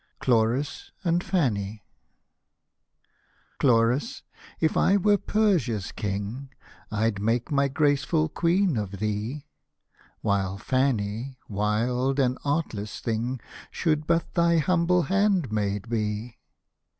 CLORIS AND FANNY C LOR IS ! if I were Persia's king, I'd make my graceful queen of thee ; While Fanny, wild and artless thing. Should but thy humble handmaid be.